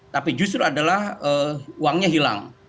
tapi justru adalah uangnya hilang